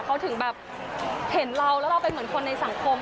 เขาถึงแบบเห็นเราแล้วเราเป็นเหมือนคนในสังคม